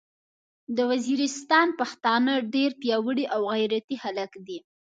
د ویزیریستان پختانه ډیر پیاوړي او غیرتي خلک دې